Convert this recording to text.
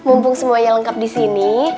mumpung semuanya lengkap disini